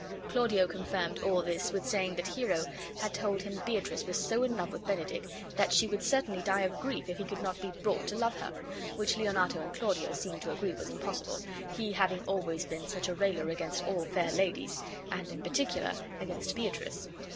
Claudio confirmed all this with saying that Hero bad told him Beatrice was so in love with Benedick that she would certainly die of grief if he could not be brought to love her; which Leonato and Claudio seemed to agree was impossible, he having always been such a railer against all fair ladies, and in particular against Beatrice.